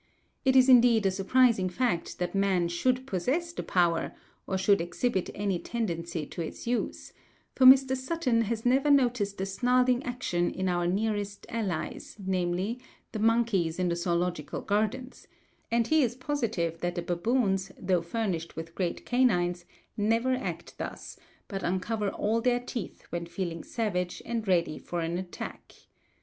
It is indeed a surprising fact that man should possess the power, or should exhibit any tendency to its use; for Mr. Sutton has never noticed a snarling action in our nearest allies, namely, the monkeys in the Zoological Gardens, and he is positive that the baboons, though furnished with great canines, never act thus, but uncover all their teeth when feeling savage and ready for an attack.